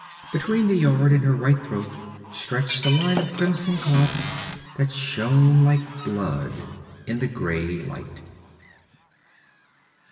Between the yard and her white throat stretched a line of crimson clots that shone like blood in the gray light.